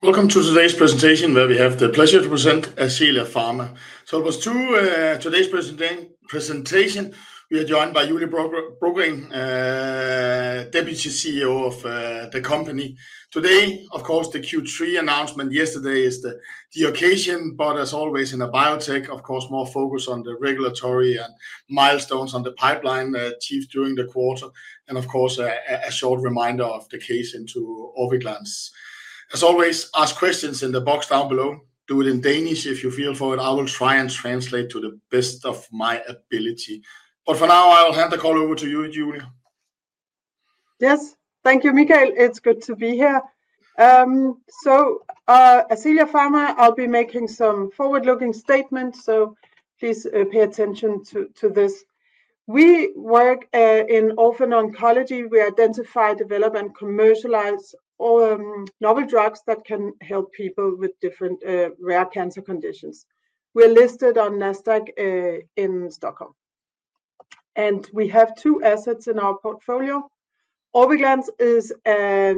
Welcome to today's presentation where we have the pleasure to present Ascelia Pharma. Through today's presentation we are joined by Julie Brogren, Deputy CEO of the company. Today, of course, the Q3 announcement yesterday is the occasion, but as always in a biotech, of course, more focus on the regulatory and milestones on the pipeline achieved during the quarter. Of course, a short reminder of the case into Orviglance. As always, ask questions in the box down below. Do it in Danish if you feel for it. I will try and translate to the best of my ability. For now, I will hand the call over to you, Julie. Yes. Thank you, Mikael. It's good to be here. Ascelia Pharma, I'll be making some forward-looking statements, so please pay attention to this. We work in orphan oncology. We identify, develop, and commercialize novel drugs that can help people with different rare cancer conditions. We are listed on Nasdaq Stockholm. We have two assets in our portfolio. Orviglance is a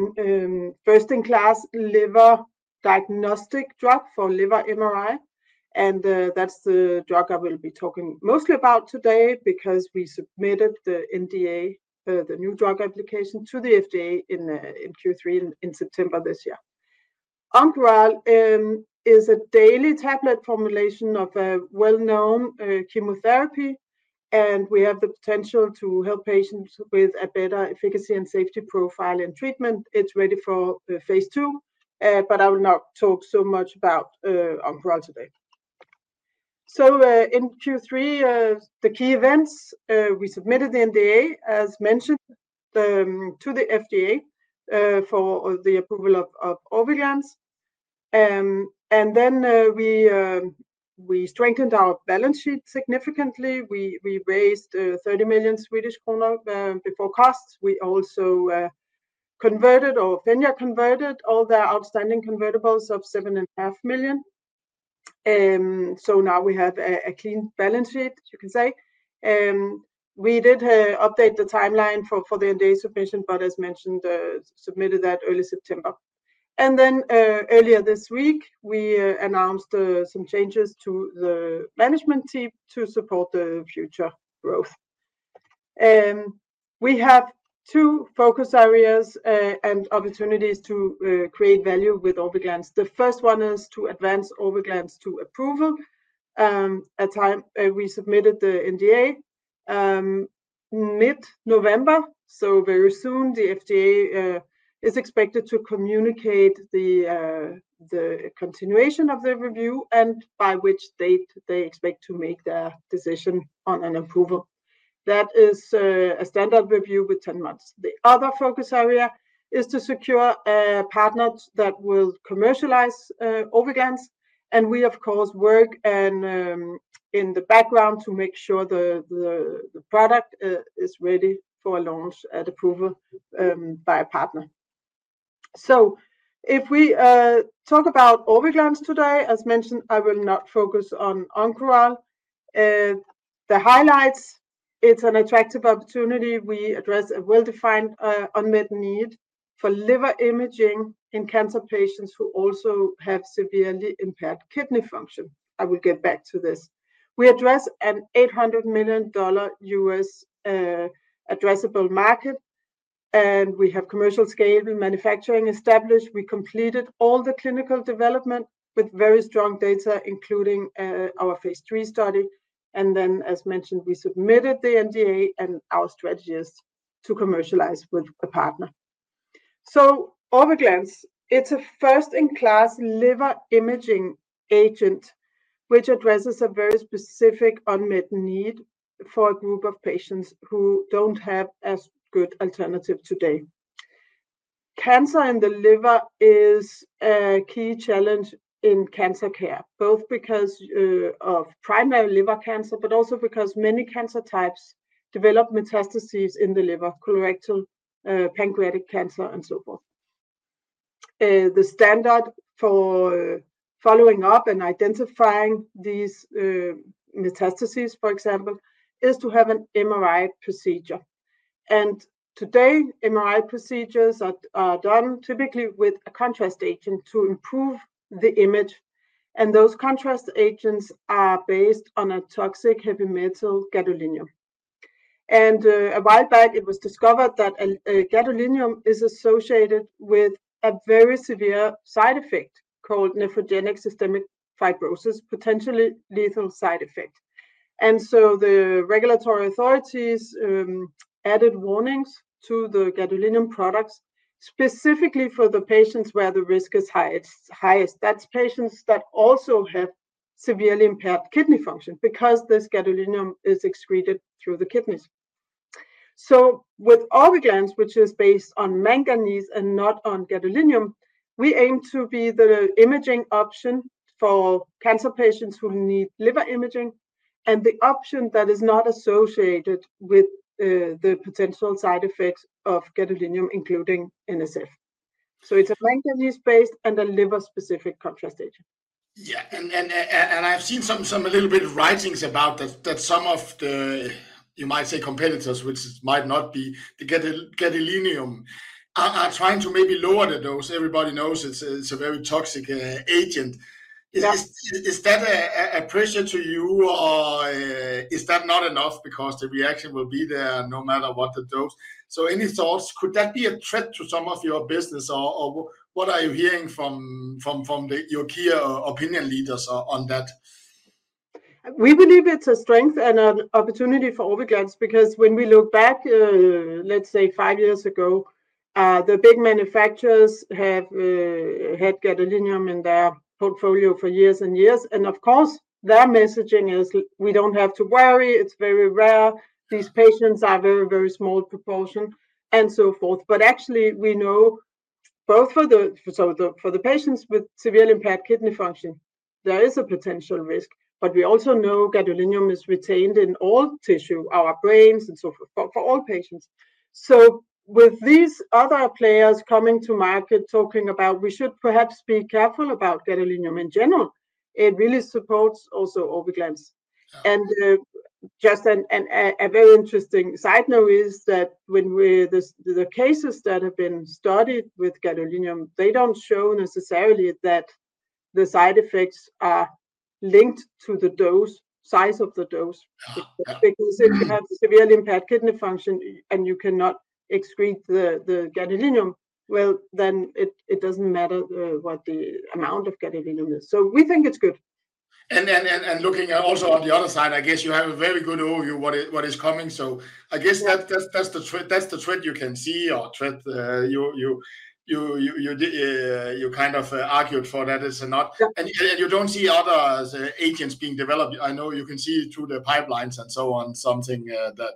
first-in-class liver diagnostic drug for liver MRI. That's the drug I will be talking mostly about today because we submitted the NDA, the new drug application, to the FDA in Q3 in September this year. Oncoral is a daily tablet formulation of a well-known chemotherapy. We have the potential to help patients with a better efficacy and safety profile in treatment. It's ready for Phase II, but I will not talk so much about Oncoral today. In Q3, the key events, we submitted the NDA, as mentioned, to the FDA for the approval of Orviglance. We strengthened our balance sheet significantly. We raised SEK 30 million before costs. Fenja converted all the outstanding convertibles of 7.5 million. Now we have a clean balance sheet, you can say. We did update the timeline for the NDA submission, but as mentioned, submitted that early September. Earlier this week, we announced some changes to the management team to support the future growth. We have two focus areas and opportunities to create value with Orviglance. The first one is to advance Orviglance to approval. At the time we submitted the NDA, mid-November, so very soon, the FDA is expected to communicate the continuation of the review and by which date they expect to make decision on an approval. That is a standard review with 10 months. The other focus area is to secure a partner that will commercialize Orviglance. We, of course, work in the background to make sure the product is ready for launch at approval by a partner. If we talk about Orviglance today, as mentioned, I will not focus on Oncoral. The highlights, it's an attractive opportunity. We address a well-defined unmet need for liver imaging in cancer patients who also have severely impaired kidney function. I will get back to this. We address an $800 million U.S. addressable market. We have commercial scale manufacturing established. We completed all the clinical development with very strong data, including our Phase III study. As mentioned, we submitted the NDA and our strategy is to commercialize with a partner. Orviglance, it's a first-in-class liver imaging agent which addresses a very specific unmet need for a group of patients who do not have a good alternative today. Cancer in the liver is a key challenge in cancer care, both because of primary liver cancer, but also because many cancer types develop metastases in the liver: colorectal, pancreatic cancer, and so forth. The standard for following up and identifying these metastases, for example, is to have an MRI procedure. Today, MRI procedures are done typically with a contrast agent to improve the image. Those contrast agents are based on a toxic heavy metal, gadolinium. A while back, it was discovered that gadolinium is associated with a very severe side effect called nephrogenic systemic fibrosis, a potentially lethal side effect. The regulatory authorities added warnings to the gadolinium products specifically for the patients where the risk is highest. That's patients that also have severely impaired kidney function because this gadolinium is excreted through the kidneys. With Orviglance, which is based on manganese and not on gadolinium, we aim to be the imaging option for cancer patients who need liver imaging and the option that is not associated with the potential side effects of gadolinium, including NSF. It is a manganese-based and a liver-specific contrast agent. Yeah. I have seen some, a little bit of writings about that, some of the, you might say, competitors, which might not be the gadolinium, are trying to maybe lower the dose. Everybody knows it is a very toxic agent. Is that a pressure to you, or is that not enough because the reaction will be there no matter what the dose? Any thoughts? Could that be a threat to some of your business, or what are you hearing from your key opinion leaders on that? We believe it's a strength and an opportunity for Orviglance because when we look back, let's say five years ago, the big manufacturers have had gadolinium in their portfolio for years and years. Of course, their messaging is, we don't have to worry, it's very rare, these patients are a very, very small proportion, and so forth. Actually, we know both for the patients with severely impaired kidney function, there is a potential risk. We also know gadolinium is retained in all tissue, our brains, and so forth for all patients. With these other players coming to market, talking about we should perhaps be careful about gadolinium in general, it really supports also Orviglance. Just a very interesting side note is that when the cases that have been studied with gadolinium, they do not show necessarily that the side effects are linked to the dose, size of the dose. Because if you have severely impaired kidney function and you cannot excrete the gadolinium, it does not matter what the amount of gadolinium is. So we think it is good. Looking also on the other side, I guess you have a very good overview of what is coming. I guess that's the threat you can see or threat you kind of argued for that it's not. You don't see other agents being developed. I know you can see through the pipelines and so on, something that.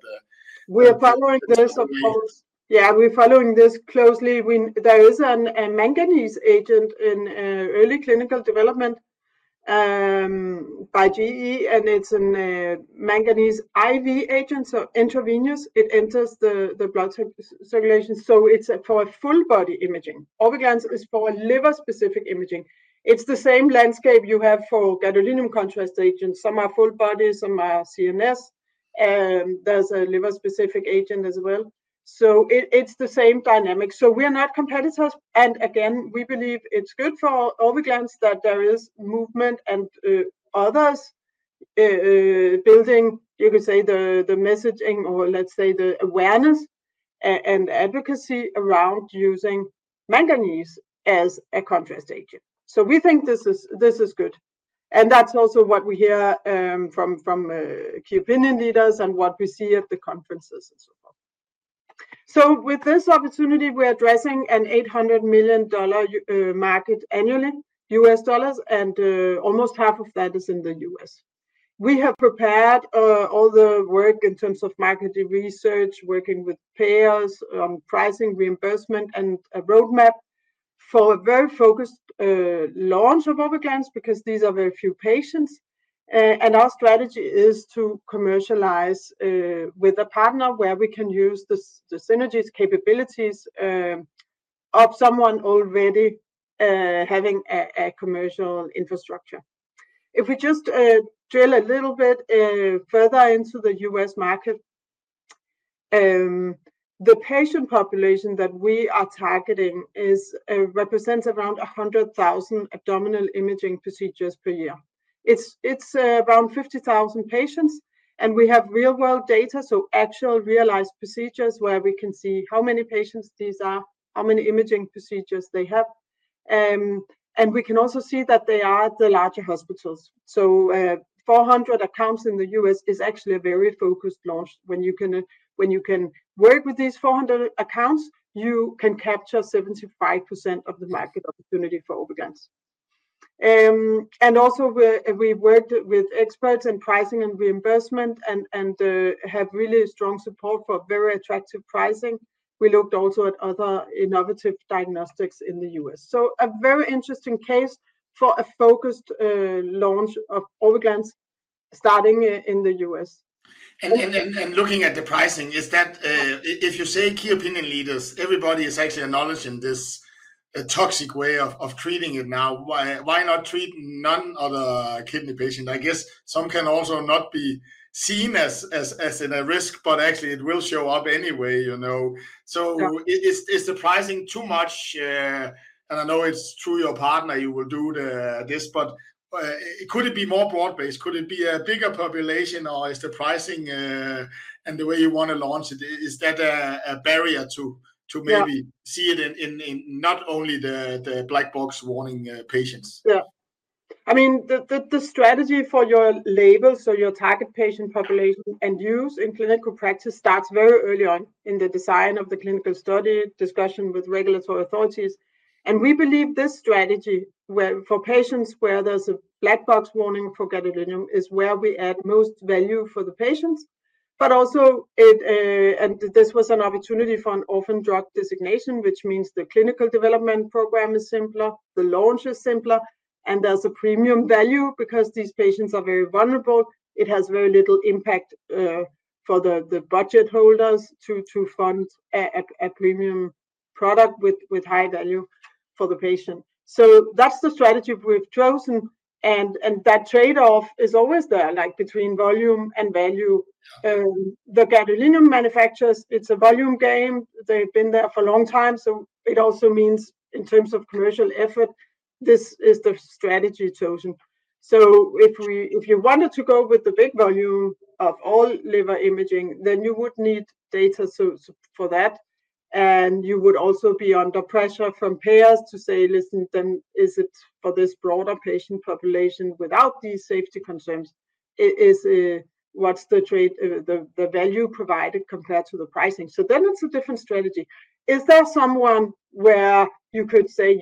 We are following this, of course. Yeah, we're following this closely. There is a manganese agent in early clinical development by GE, and it's a manganese IV agent, so intravenous. It enters the blood circulation. It is for full-body imaging. Orviglance is for liver-specific imaging. It's the same landscape you have for gadolinium contrast agents. Some are full-body, some are CNS. There is a liver-specific agent as well. It's the same dynamic. We are not competitors. Again, we believe it's good for Orviglance that there is movement and others building, you could say, the messaging or, let's say, the awareness and advocacy around using manganese as a contrast agent. We think this is good. That's also what we hear from key opinion leaders and what we see at the conferences and so forth. With this opportunity, we're addressing an $800 million. Market annually, U.S. dollars, and almost half of that is in the U.S. We have prepared all the work in terms of marketing research, working with payers, pricing, reimbursement, and a roadmap for a very focused launch of Orviglance because these are very few patients. Our strategy is to commercialize with a partner where we can use the synergies, capabilities of someone already having a commercial infrastructure. If we just drill a little bit further into the U.S. market, the patient population that we are targeting represents around 100,000 abdominal imaging procedures per year. It is around 50,000 patients, and we have real-world data, so actual realized procedures where we can see how many patients these are, how many imaging procedures they have. We can also see that they are at the larger hospitals. 400 accounts in the U.S. is actually a very focused launch. When you can work with these 400 accounts, you can capture 75% of the market opportunity for Orviglance. Also, we've worked with experts in pricing and reimbursement and have really strong support for very attractive pricing. We looked also at other innovative diagnostics in the U.S. A very interesting case for a focused launch of Orviglance starting in the U.S. Looking at the pricing, if you say key opinion leaders, everybody is actually acknowledging this toxic way of treating it now. Why not treat none of the kidney patients? I guess some can also not be seen as a risk, but actually it will show up anyway. Is the pricing too much? I know it's through your partner you will do this, but could it be more broad-based? Could it be a bigger population, or is the pricing and the way you want to launch it, is that a barrier to maybe see it in not only the black box warning patients? Yeah. I mean, the strategy for your label, so your target patient population and use in clinical practice starts very early on in the design of the clinical study, discussion with regulatory authorities. We believe this strategy for patients where there's a black box warning for gadolinium is where we add most value for the patients. Also, this was an opportunity for an orphan drug designation, which means the clinical development program is simpler, the launch is simpler, and there's a premium value because these patients are very vulnerable. It has very little impact for the budget holders to fund a premium product with high value for the patient. That's the strategy we've chosen. That trade-off is always there, like between volume and value. The gadolinium manufacturers, it's a volume game. They've been there for a long time. It also means in terms of commercial effort, this is the strategy chosen. If you wanted to go with the big volume of all liver imaging, then you would need data for that. You would also be under pressure from payers to say, listen, then is it for this broader patient population without these safety concerns? What is the value provided compared to the pricing? That is a different strategy. Is there somewhere where you could say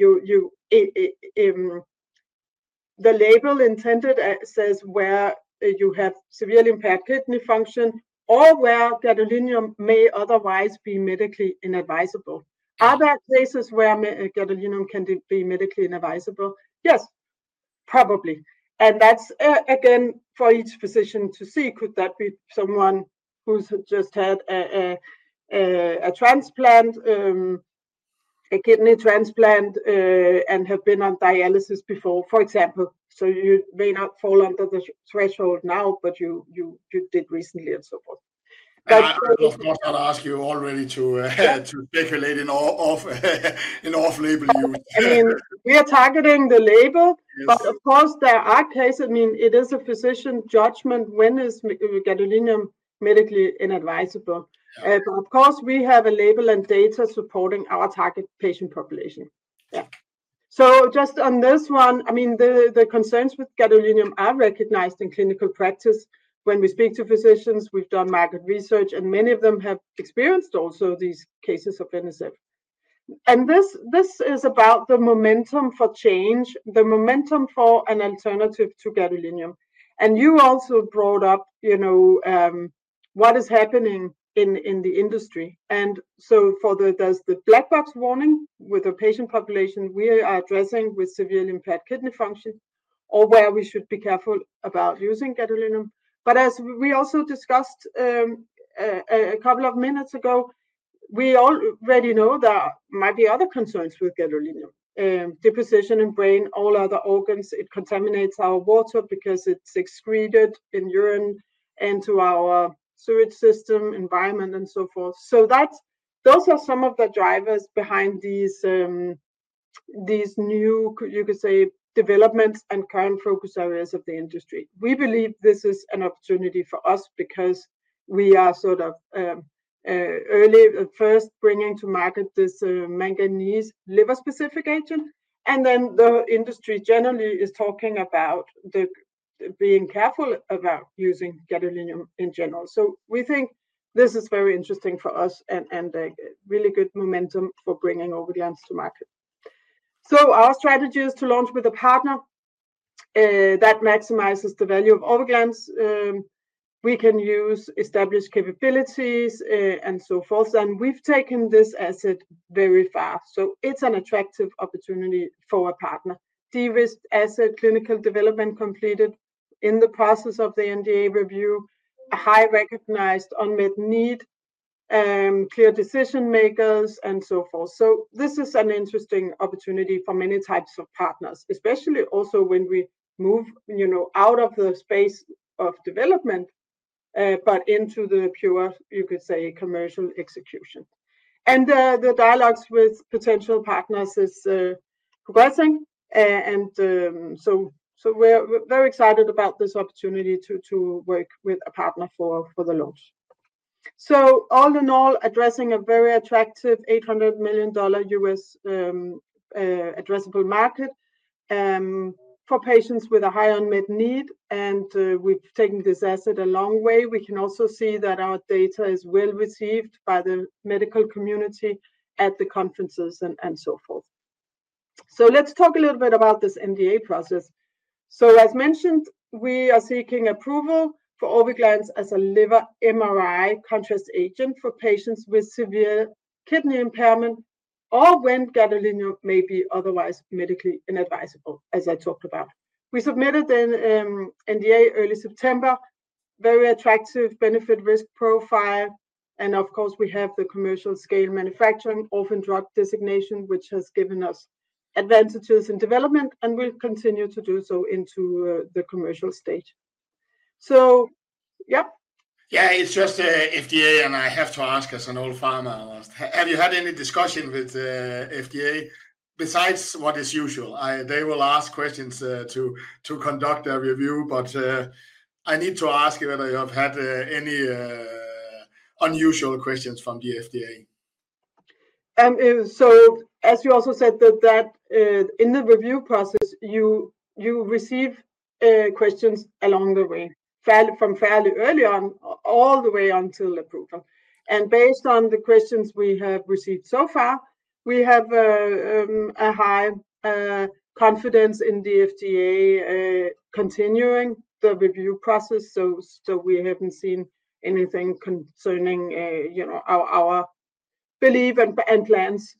the label intended says where you have severely impaired kidney function or where gadolinium may otherwise be medically inadvisable? Are there cases where gadolinium can be medically inadvisable? Yes, probably. That is again for each physician to see. Could that be someone who has just had a transplant, a kidney transplant and have been on dialysis before, for example? You may not fall under the threshold now, but you did recently and so forth. I was going to ask you already to speculate in off-label use. We are targeting the label, but of course, there are cases. I mean, it is a physician judgment when is gadolinium medically inadvisable. Of course, we have a label and data supporting our target patient population. Yeah. Just on this one, I mean, the concerns with gadolinium are recognized in clinical practice. When we speak to physicians, we've done market research, and many of them have experienced also these cases of NSF. This is about the momentum for change, the momentum for an alternative to gadolinium. You also brought up what is happening in the industry. There is the black box warning with the patient population we are addressing with severely impaired kidney function or where we should be careful about using gadolinium. As we also discussed a couple of minutes ago, we already know there might be other concerns with gadolinium. Deposition in brain, all other organs, it contaminates our water because it's excreted in urine into our sewage system, environment, and so forth. Those are some of the drivers behind these new, you could say, developments and current focus areas of the industry. We believe this is an opportunity for us because we are sort of early, first bringing to market this manganese liver-specific agent. The industry generally is talking about being careful about using gadolinium in general. We think this is very interesting for us and a really good momentum for bringing Orviglance to market. Our strategy is to launch with a partner that maximizes the value of Orviglance. We can use established capabilities and so forth. We've taken this asset very far. It's an attractive opportunity for a partner. De-risked asset, clinical development completed in the process of the NDA review, a highly recognized unmet need. Clear decision-makers, and so forth. This is an interesting opportunity for many types of partners, especially also when we move out of the space of development but into the pure, you could say, commercial execution. The dialogues with potential partners is progressing. We're very excited about this opportunity to work with a partner for the launch. All in all, addressing a very attractive $800 million U.S. addressable market for patients with a high unmet need. We've taken this asset a long way. We can also see that our data is well received by the medical community at the conferences and so forth. Let's talk a little bit about this NDA process. As mentioned, we are seeking approval for Orviglance as a liver MRI contrast agent for patients with severe kidney impairment or when gadolinium may be otherwise medically inadvisable, as I talked about. We submitted an NDA early September. Very attractive benefit-risk profile. Of course, we have the commercial-scale manufacturing orphan drug designation, which has given us advantages in development and will continue to do so into the commercial stage. Yeah. Yeah, it's just FDA, and I have to ask as an old farmer. Have you had any discussion with FDA besides what is usual? They will ask questions to conduct a review, but I need to ask whether you have had any unusual questions from the FDA. As you also said, in the review process, you receive questions along the way from fairly early on all the way until approval. Based on the questions we have received so far, we have a high confidence in the FDA continuing the review process. We have not seen anything concerning our belief and plans.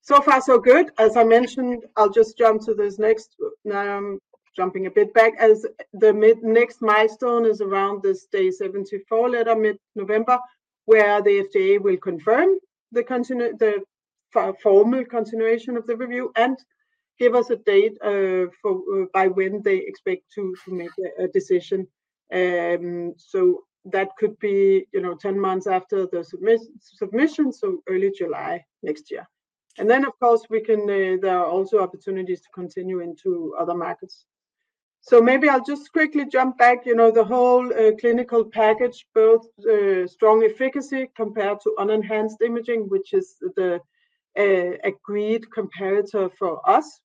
So far so good. As I mentioned, I'll just jump to this next. Now, I'm jumping a bit back as the next milestone is around this day 74 letter mid-November, where the FDA will confirm the formal continuation of the review and give us a date by when they expect to make a decision. That could be 10 months after the submission, so early July next year. Of course, there are also opportunities to continue into other markets. Maybe I'll just quickly jump back. The whole clinical package, both strong efficacy compared to unenhanced imaging, which is the agreed comparator for us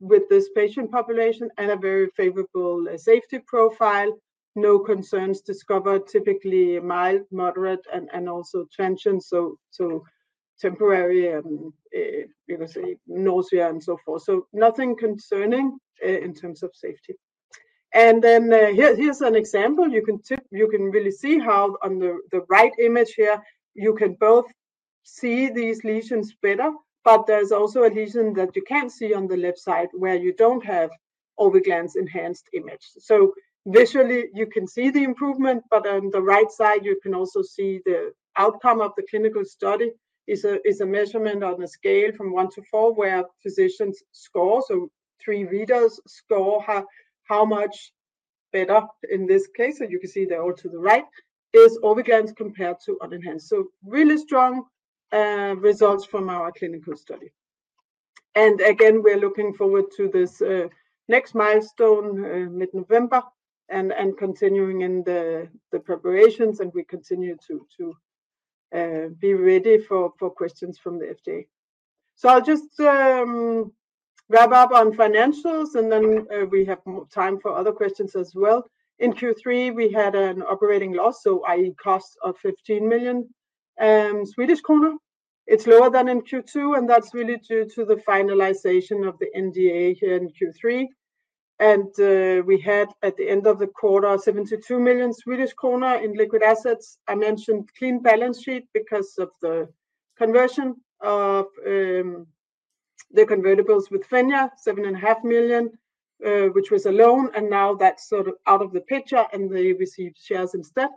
with this patient population and a very favorable safety profile, no concerns discovered, typically mild, moderate, and also transient, so temporary. Nausea and so forth. Nothing concerning in terms of safety. Here is an example. You can really see how on the right image here, you can both see these lesions better, but there is also a lesion that you cannot see on the left side where you do not have Orviglance-enhanced image. Visually, you can see the improvement, but on the right side, you can also see the outcome of the clinical study is a measurement on a scale from one to four where physicians score, so three readers score how much better in this case. You can see they are all to the right is Orviglance compared to unenhanced. Really strong results from our clinical study. Again, we're looking forward to this next milestone mid-November and continuing in the preparations, and we continue to be ready for questions from the FDA. I'll just wrap up on financials, and then we have time for other questions as well. In Q3, we had an operating loss, so i.e., cost of 15 million Swedish kronor. It's lower than in Q2, and that's really due to the finalization of the NDA here in Q3. We had at the end of the quarter, 72 million Swedish kronor in liquid assets. I mentioned clean balance sheet because of the conversion of the convertibles with Fenja, 7.5 million, which was a loan, and now that's sort of out of the picture, and they received shares instead.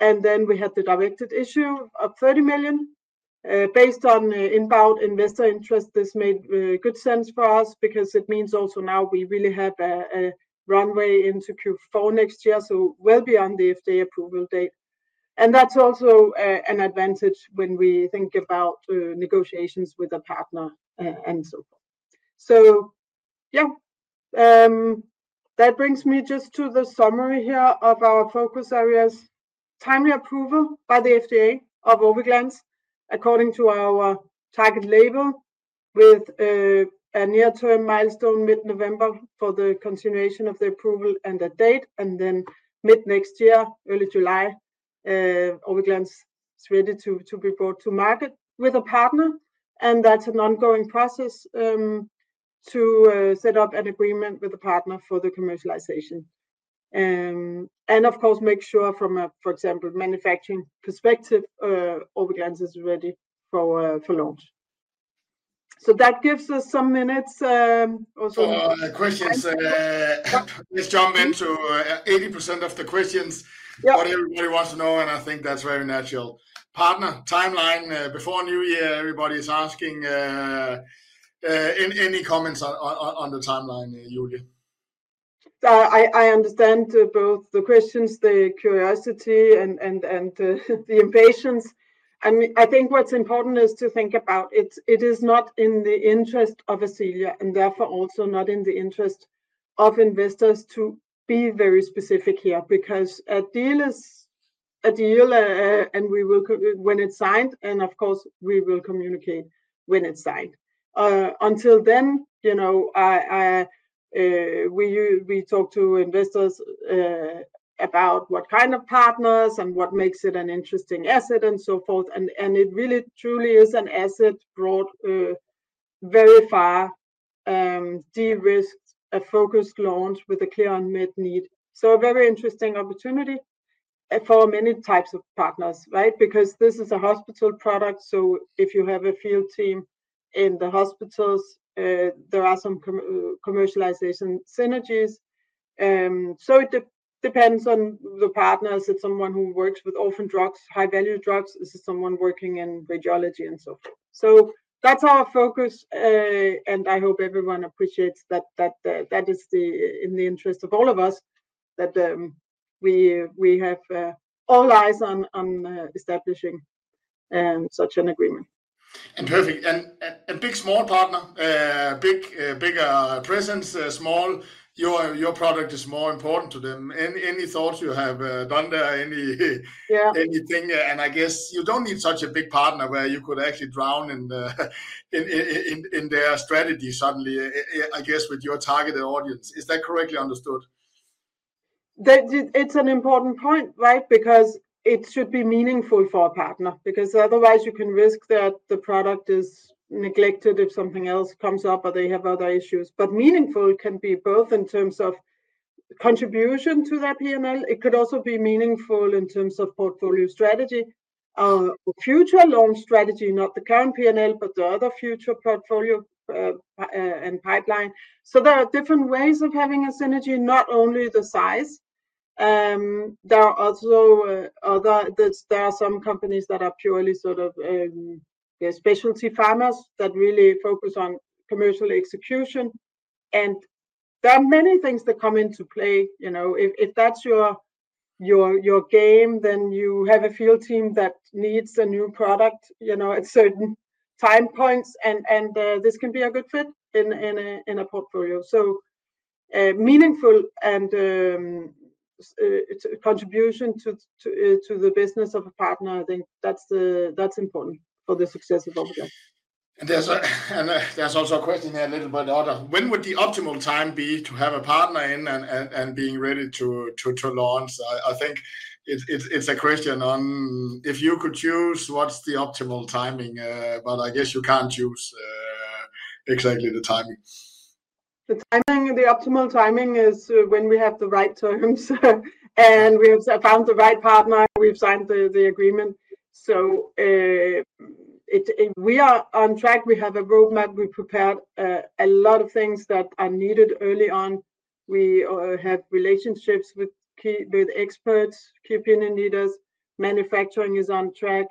Then we had the directed issue of 30 million. Based on inbound investor interest, this made good sense for us because it means also now we really have a runway into Q4 next year, so well beyond the FDA approval date. That is also an advantage when we think about negotiations with a partner and so forth. Yeah. That brings me just to the summary here of our focus areas. Timely approval by the FDA of Orviglance according to our target label with a near-term milestone mid-November for the continuation of the approval and that date, and then mid-next year, early July, Orviglance is ready to be brought to market with a partner. That is an ongoing process to set up an agreement with a partner for the commercialization. Of course, make sure from a, for example, manufacturing perspective, Orviglance is ready for launch. That gives us some minutes. Questions. Let's jump into 80% of the questions, what everybody wants to know, and I think that's very natural. Partner timeline before New Year, everybody is asking. Any comments on the timeline, Julie? I understand both the questions, the curiosity, and the impatience. I think what's important is to think about it. It is not in the interest of Ascelia and therefore also not in the interest of investors to be very specific here because a deal. We will, when it's signed, and of course, we will communicate when it's signed. Until then, we talk to investors about what kind of partners and what makes it an interesting asset and so forth. It really truly is an asset brought very far, de-risked, a focused launch with a clear unmet need. A very interesting opportunity for many types of partners, right? This is a hospital product. If you have a field team in the hospitals, there are some commercialization synergies. It depends on the partners. It's someone who works with orphan drugs, high-value drugs. This is someone working in radiology and so forth. That is our focus. I hope everyone appreciates that. That is in the interest of all of us. We have all eyes on establishing such an agreement. Perfect. A big small partner, bigger presence, small, your product is more important to them. Any thoughts you have done there? Yeah. Anything? I guess you don't need such a big partner where you could actually drown in their strategy suddenly, I guess, with your targeted audience. Is that correctly understood? It's an important point, right? Because it should be meaningful for a partner, because otherwise you can risk that the product is neglected if something else comes up or they have other issues. Meaningful can be both in terms of contribution to their P&L. It could also be meaningful in terms of portfolio strategy, future launch strategy, not the current P&L, but the other future portfolio and pipeline. There are different ways of having a synergy, not only the size. There are also other, there are some companies that are purely sort of specialty pharmas that really focus on commercial execution. There are many things that come into play. If that's your game, then you have a field team that needs a new product at certain time points, and this can be a good fit in a portfolio. Meaningful and. Contribution to the business of a partner, I think that's important for the success of Orviglance. There's also a question here a little bit older. When would the optimal time be to have a partner in and being ready to launch? I think it's a question on if you could choose what's the optimal timing, but I guess you can't choose exactly the timing. The optimal timing is when we have the right terms and we have found the right partner, we've signed the agreement. We are on track. We have a roadmap. We prepared a lot of things that are needed early on. We have relationships with experts, key opinion leaders. Manufacturing is on track.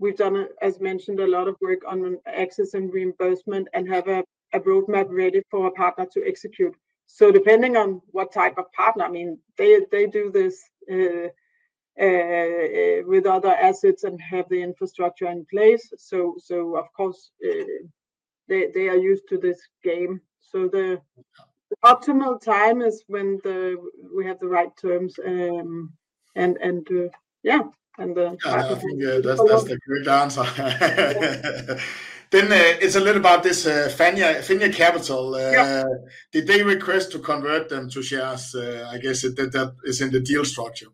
We've done, as mentioned, a lot of work on access and reimbursement and have a roadmap ready for a partner to execute. Depending on what type of partner, I mean, they do this with other assets and have the infrastructure in place. Of course, they are used to this game. The optimal time is when we have the right terms. And yeah, and the. I think that's the correct answer. It is a little about this Fenja, Fenja Capital. Did they request to convert them to shares? I guess that is in the deal structure.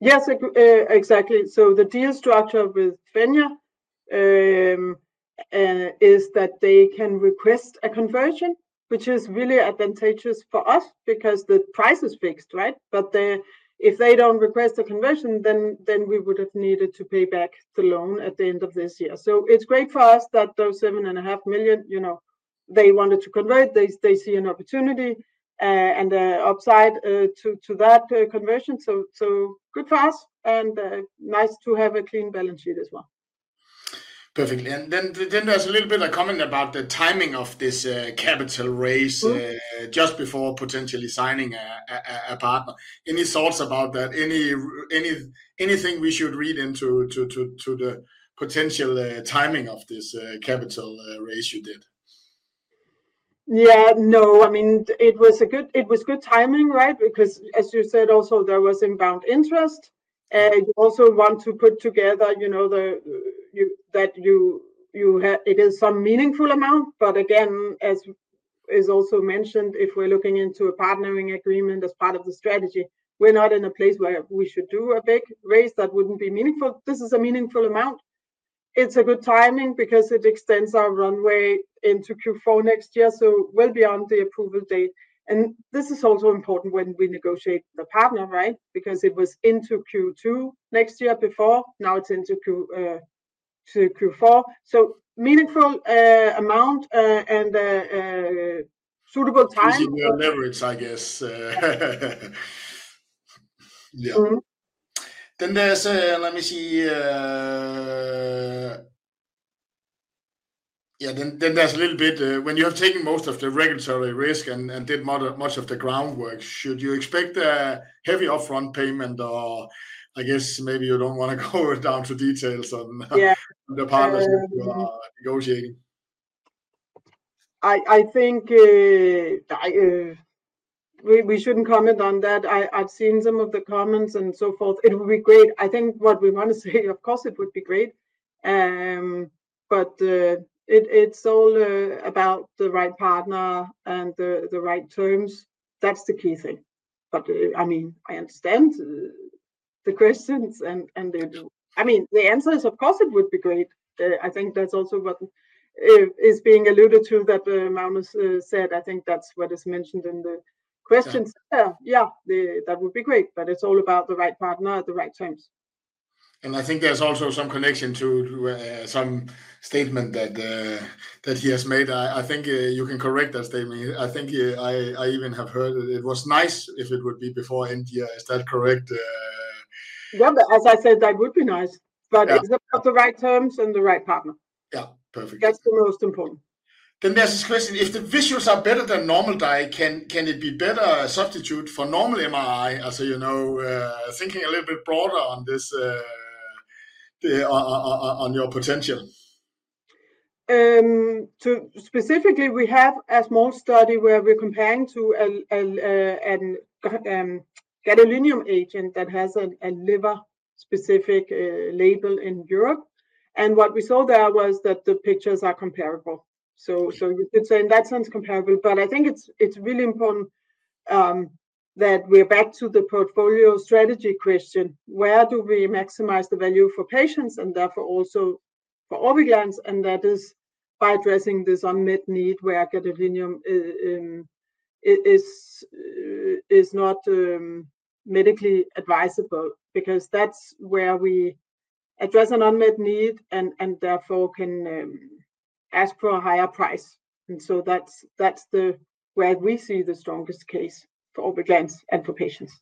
Yes, exactly. The deal structure with Fenja is that they can request a conversion, which is really advantageous for us because the price is fixed, right? If they do not request a conversion, then we would have needed to pay back the loan at the end of this year. It is great for us that those 7.5 million, they wanted to convert. They see an opportunity and an upside to that conversion. Good for us and nice to have a clean balance sheet as well. Perfect. There is a little bit of comment about the timing of this capital raise just before potentially signing a partner. Any thoughts about that? Anything we should read into the potential timing of this capital raise you did? Yeah, no, I mean, it was good timing, right? Because as you said, also there was inbound interest. You also want to put together that you. It is some meaningful amount, but again, as is also mentioned, if we're looking into a partnering agreement as part of the strategy, we're not in a place where we should do a big raise that would not be meaningful. This is a meaningful amount. It is good timing because it extends our runway into Q4 next year, so well beyond the approval date. This is also important when we negotiate the partner, right? Because it was into Q2 next year before, now it is into Q4. So meaningful amount and suitable time. Meaningful leverage, I guess. Yeah. There is, let me see. Yeah, there is a little bit when you have taken most of the regulatory risk and did much of the groundwork, should you expect a heavy upfront payment or I guess maybe you do not want to go down to details on the partnership you are negotiating? I think. We shouldn't comment on that. I've seen some of the comments and so forth. It would be great. I think what we want to say, of course, it would be great. It's all about the right partner and the right terms. That's the key thing. I mean, I understand the questions and the, I mean, the answer is, of course, it would be great. I think that's also what is being alluded to that Magnus said. I think that's what is mentioned in the questions. Yeah, that would be great, but it's all about the right partner, the right terms. I think there's also some connection to some statement that he has made. I think you can correct that statement. I think I even have heard it was nice if it would be before end year. Is that correct? Yeah, as I said, that would be nice, but it's about the right terms and the right partner. Yeah, perfect. That's the most important. There is this question. If the visuals are better than normal dye, can it be a better substitute for normal MRI? Thinking a little bit broader on this. On your potential. Specifically, we have a small study where we're comparing to a gadolinium agent that has a liver-specific label in Europe. What we saw there was that the pictures are comparable. You could say in that sense, comparable, but I think it's really important that we're back to the portfolio strategy question. Where do we maximize the value for patients and therefore also for Orviglance? That is by addressing this unmet need where gadolinium is not medically advisable because that's where we address an unmet need and therefore can ask for a higher price. That's where we see the strongest case for Orviglance and for patients.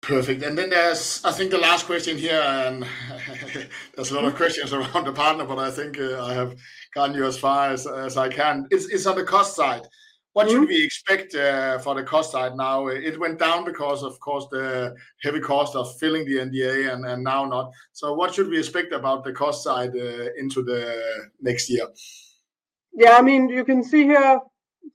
Perfect. I think the last question here, and there are a lot of questions around the partner, but I think I have gotten you as far as I can. It is on the cost side. What should we expect for the cost side now? It went down because, of course, the heavy cost of filing the NDA and now not. What should we expect about the cost side into the next year? Yeah, I mean, you can see here,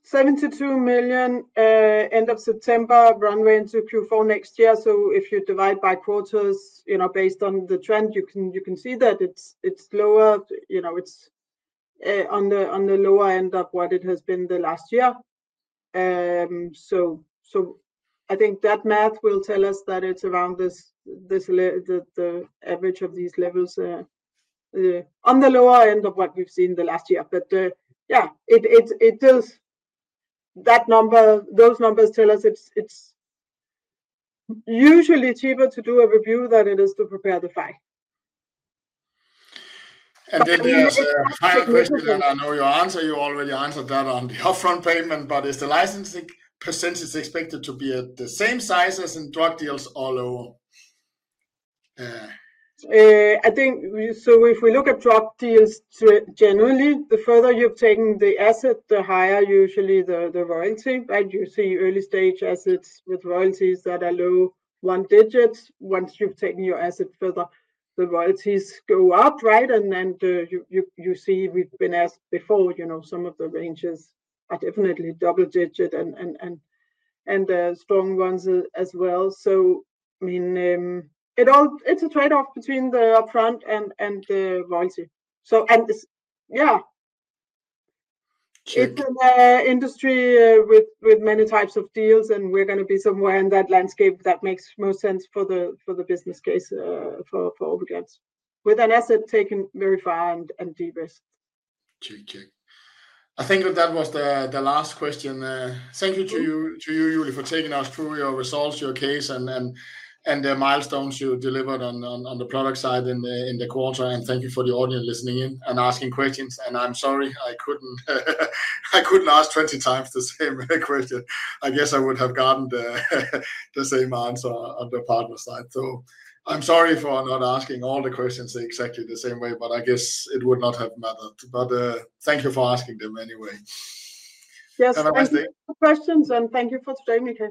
72 million. End of September, runway into Q4 next year. If you divide by quarters, based on the trend, you can see that it's lower. It's on the lower end of what it has been the last year. I think that math will tell us that it's around the average of these levels, on the lower end of what we've seen the last year. Yeah, it does. Those numbers tell us it's usually cheaper to do a review than it is to prepare the file. There is a higher question. I know your answer. You already answered that on the upfront payment, but is the licensing percentage expected to be at the same size as in drug deals all over? I think so if we look at drug deals generally, the further you've taken the asset, the higher usually the royalty, right? You see early stage assets with royalties that are low one digit. Once you've taken your asset further, the royalties go up, right? You see we've been asked before, some of the ranges are definitely double digit and strong ones as well. I mean, it's a trade-off between the upfront and the royalty. Yeah. It's an industry with many types of deals, and we're going to be somewhere in that landscape that makes most sense for the business case for Orviglance with an asset taken very far and de-risked. Check, check. I think that was the last question. Thank you to you, Julie, for taking us through your results, your case, and the milestones you delivered on the product side in the quarter. Thank you for the audience listening in and asking questions. I'm sorry, I couldn't ask 20x the same question. I guess I would have gotten the same answer on the partner side. I'm sorry for not asking all the questions exactly the same way, but I guess it would not have mattered. Thank you for asking them anyway. Yes, thank you for the questions, and thank you for sharing with us.